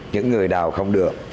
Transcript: những người đào không được